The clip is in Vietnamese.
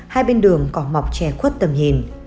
hai bên đường có mọc trẻ khuất tầm hình